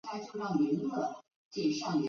男主演洼田正孝由作者选定。